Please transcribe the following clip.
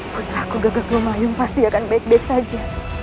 putraku gagak lumayung pasti akan baik baik saja